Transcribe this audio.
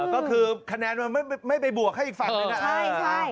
ก็คือคะแนนมันไม่ไปบวกให้อีกฝั่งเลยนะ